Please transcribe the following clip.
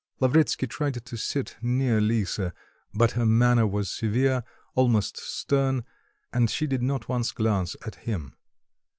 Lavretsky tried to sit near Lisa, but her manner was severe, almost stern, and she did not once glance at him.